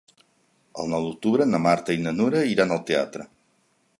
El nou d'octubre na Marta i na Nura iran al teatre.